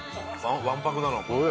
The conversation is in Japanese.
わんぱくだなお前。